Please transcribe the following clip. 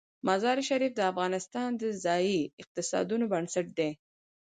مزارشریف د افغانستان د ځایي اقتصادونو بنسټ دی.